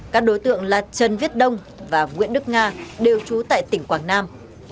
các đối tượng là trần viết đông và nguyễn đức nga đều trú tại tỉnh quảng nam